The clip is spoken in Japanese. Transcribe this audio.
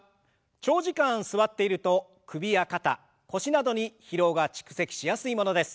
長時間座っていると首や肩腰などに疲労が蓄積しやすいものです。